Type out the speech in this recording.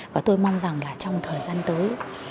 và tôi mong rằng là trong thời gian tới